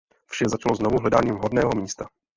Vše začalo znovu hledáním vhodného místa.